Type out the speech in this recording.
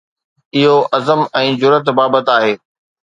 اهو عزم ۽ جرئت بابت آهي.